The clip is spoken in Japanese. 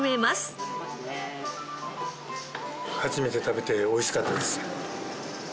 初めて食べておいしかったです。